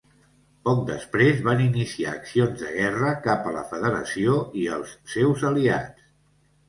Poc després van iniciar accions de guerra cap a la Federació i els seus aliats.